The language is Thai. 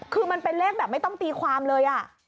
คือมันเป็นเลขแบบไม่ต้องตีความเลย